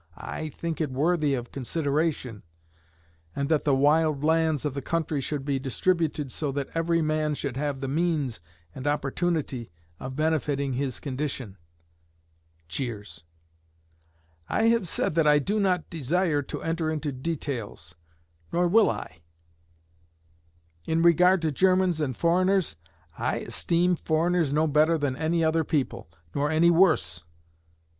I think it worthy of consideration, and that the wild lands of the country should be distributed so that every man should have the means and opportunity of benefiting his condition. [Cheers.] I have said that I do not desire to enter into details, nor will I. In regard to Germans and foreigners, I esteem foreigners no better than other people nor any worse.